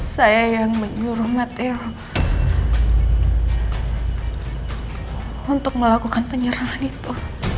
saya yang menyuruh matil untuk melakukan penyerangan itu